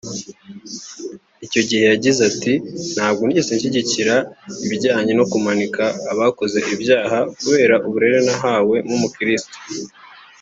Icyo gihe yagize ati “Ntabwo nigeze nshyigikira ibijyanye no kumanika abakoze ibyaha kubera uburere nahawe nk’umukirisitu